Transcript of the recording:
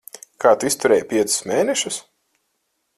Kā tu izturēji piecus mēnešus?